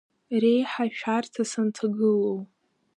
Реиҳа ашәарҭа санҭагылоу…